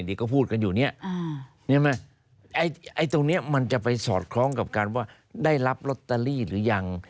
ที่เขาพูดกันอยู่เนี่ยใช่ไหมไอ้ตรงนี้มันจะไปสอดคล้องกับการว่าได้รับลอตเตอรี่หรือยัง